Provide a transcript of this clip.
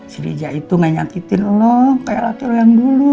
si rija itu gak nyakitin lo kayak waktu lo yang dulu ya